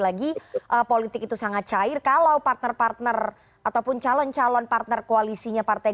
lagi politik itu sangat cair kalau partner partner ataupun calon calon partner koalisinya partai